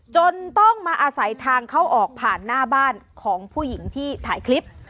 จนต้องมาอาศัยทางเข้าออกผ่านหน้าบ้านของผู้หญิงที่ถ่ายคลิป